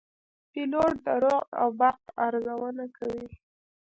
پیلوټ د رعد او برق ارزونه کوي.